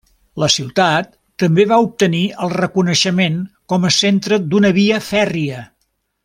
La ciutat també va obtenir el reconeixement com a centre d'una via fèrria.